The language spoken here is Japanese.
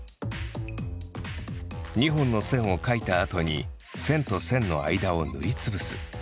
２本の線を描いたあとに線と線の間を塗りつぶす。